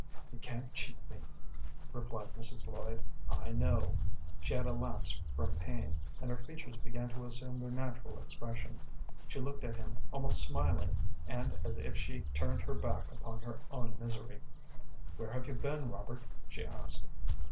"You can't cheat me," replied Mrs. Lloyd. "I know." She had a lapse from pain, and her features began to assume their natural expression. She looked at him almost smiling, and as if she turned her back upon her own misery. "Where have you been, Robert?" she asked.